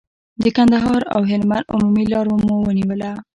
د کندهار او هلمند عمومي لار مو ونیوله.